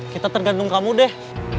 kita tergantung kamu deh